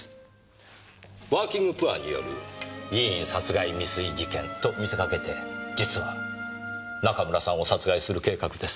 ワーキングプアによる議員殺害未遂事件と見せかけて実は中村さんを殺害する計画です。